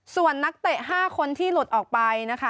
ส่วนนักเตะ๕คนที่หลุดออกไปนะคะ